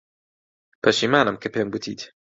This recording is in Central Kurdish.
پەشیمانم کە پێم گوتیت.